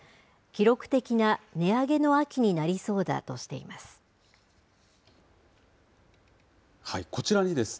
記録的な値上げの秋になりそうだとしています。